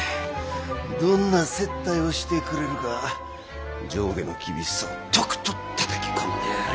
どんな接待をしてくれるか上下の厳しさをとくとたたき込んでやる。